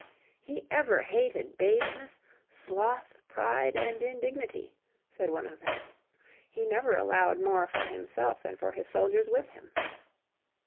"He ever hated baseness, sloth, pride and indignity," said one of them. "He never allowed more for himself than for his soldiers with him.